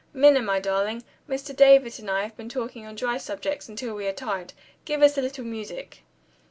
Minna, my darling, Mr. David and I have been talking on dry subjects until we are tired. Give us a little music."